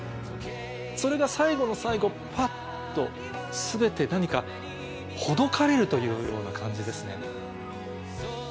それが最後の最後パッと全て何かほどかれるというような感じですね。